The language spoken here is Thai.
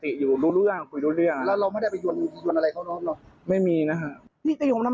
เป็นคนไม่มันได้เหรอครับ